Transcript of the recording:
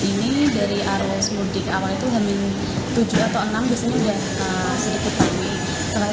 ini dari arus mudik awal itu hamin tujuh atau enam biasanya udah sedikit pagi